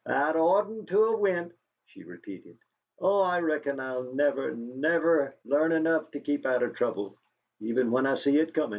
"I'd oughtn't to of went," she repeated. "Oh, I reckon I'll never, never learn enough to keep out o' trouble, even when I see it comin'!